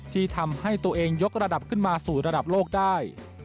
ที่ทำให้ตัวเองยกระดับขึ้นมาสู่ระดับโลกได้